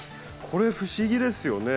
これ不思議ですよね。